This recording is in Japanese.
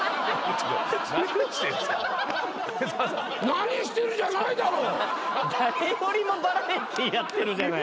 何してるじゃないだろ！